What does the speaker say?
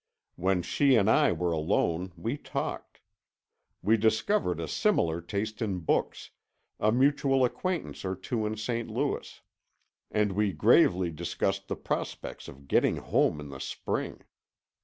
When she and I were alone, we talked. We discovered a similar taste in books, a mutual acquaintance or two in St. Louis. And we gravely discussed the prospects of getting home in the spring.